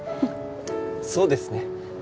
そうですね。